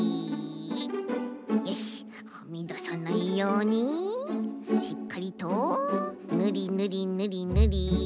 はみださないようにしっかりとぬりぬりぬりぬり。